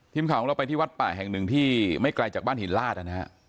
ทีมข่าวของเราไปที่วัดป่าแห่งหนึ่งที่ไม่ไกลจากบ้านหินลาดนะฮะ